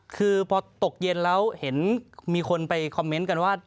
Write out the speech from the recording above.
คือพอตกเย็นแล้วเห็นมีคนไปคอมเมนต์กันว่า